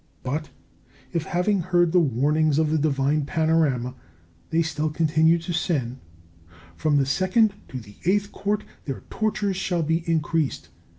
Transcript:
But if, having heard the warnings of the Divine Panorama, they still continue to sin, from the Second to the Eighth Court their tortures shall be increased.